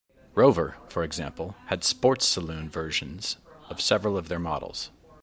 Rover, for example, had Sports Saloon versions of several of their models.